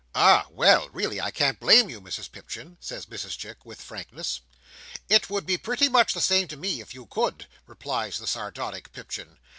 "Ah, well! really I can't blame you, Mrs Pipchin," says Mrs Chick, with frankness. "It would be pretty much the same to me, if you could," replies the sardonic Pipchin.